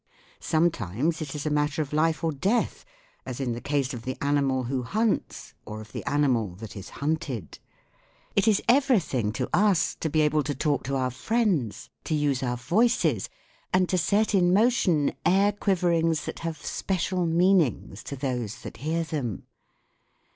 Some times it is a matter of life or death, as in the case of the animal who hunts or of the animal that is hunted. It is everything to us to be able to talk 4 THE WORLD OF SOUND to our friends, to use our voices, and to set in motion air quiverings that have special meanings to those that hear them.